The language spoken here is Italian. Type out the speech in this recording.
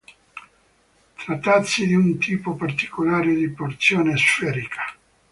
Trattasi di un tipo particolare di porzione sferica.